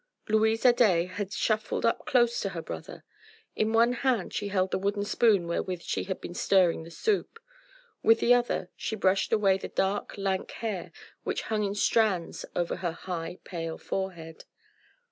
Louise Adet had shuffled up close to her brother. In one hand she held the wooden spoon wherewith she had been stirring the soup: with the other she brushed away the dark, lank hair which hung in strands over her high, pale forehead.